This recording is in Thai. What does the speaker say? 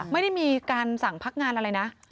ไม่ได้มีการสั่งพักงานอะไรนะ